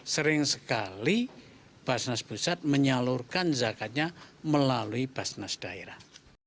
sering sekali basnas pusat menyalurkan zakatnya melalui basnas daerah